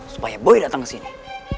supaya boy datang ke sini